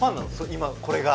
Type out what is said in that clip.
今これが？